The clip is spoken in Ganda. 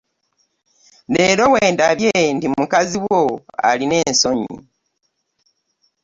Leero wendabye nti mukazi wo alina ensonyi.